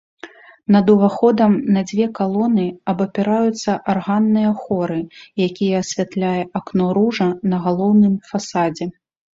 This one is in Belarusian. Над уваходам на дзве калоны абапіраюцца арганныя хоры, якія асвятляе акно-ружа на галоўным фасадзе.